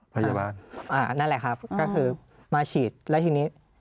นั่นแหละครับก็คือมาฉีดแล้วทีนี้